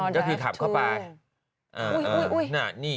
ก็คือขับเข้าไป